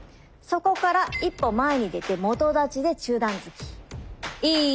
そこから一歩前に出て基立ちで中段突き。